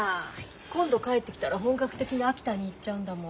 今度帰ってきたら本格的に秋田に行っちゃうんだもん。